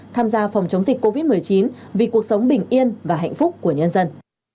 tham gia phòng chống dịch covid một mươi chín vì cuộc sống bình yên và hạnh phúc của nhân dân